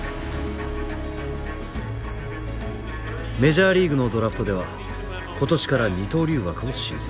メジャーリーグのドラフトでは今年から二刀流枠を新設。